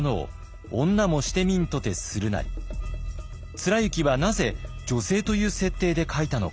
貫之はなぜ女性という設定で書いたのか。